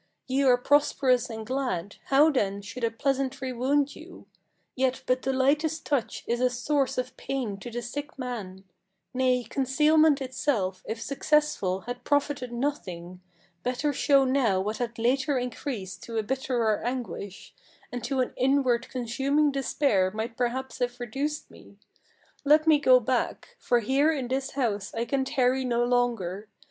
Ye are prosperous and glad; how then should a pleasantry wound you? Yet but the lightest touch is a source of pain to the sick man. Nay, concealment itself, if successful, had profited nothing. Better show now what had later increased to a bitterer anguish, And to an inward consuming despair might perhaps have reduced me. Let me go back! for here in this house I can tarry no longer.